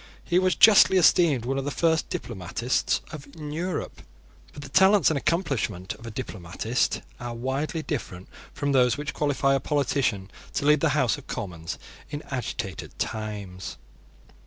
He was justly esteemed one of the first diplomatists in Europe: but the talents and accomplishments of a diplomatist are widely different from those which qualify a politician to lead the House of Commons in agitated times.